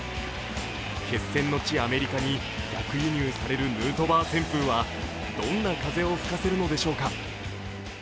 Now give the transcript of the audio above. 決戦の地、アメリカに逆輸入されるヌートバー旋風はどんな風を吹かせるのでしょうか。